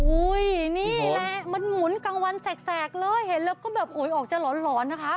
นี่แหละมันหมุนกลางวันแสกเลยเห็นแล้วก็แบบโอ้ยออกจะหลอนนะคะ